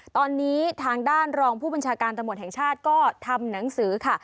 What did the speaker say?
ตอนนี้ทางด้านรองผู้บัญชาการตำรวจแห่งชาติก็ทำหนังสือค่ะ